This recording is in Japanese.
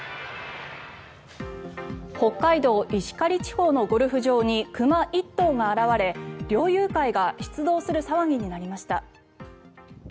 北海道石狩地方のゴルフ場に熊１頭が現れ猟友会が出動する騒ぎになりました。